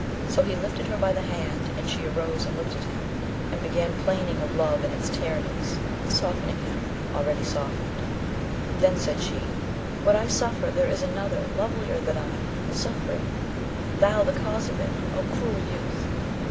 So he lifted her by the hand, and she arose and looked at him, and began plaining of love and its tyrannies, softening him, already softened. Then said she, 'What I suffer there is another, lovelier than I, suffering; thou the cause of it, O cruel youth!'